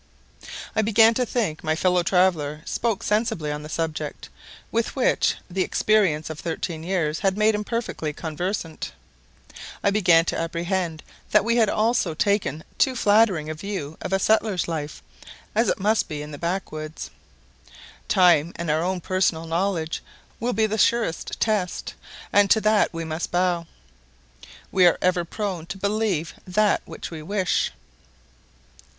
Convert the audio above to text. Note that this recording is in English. I began to think my fellow traveller spoke sensibly on the subject, with which the experience of thirteen years had made him perfectly conversant. I began to apprehend that we also had taken too flattering a view of a settler's life as it must be in the backwoods. Time and our own personal knowledge will be the surest test, and to that we must bow. We are ever prone to believe that which we wish.